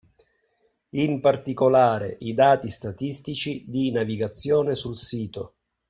In particolare i dati statistici di navigazione sul sito